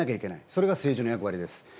これが政治の役割です。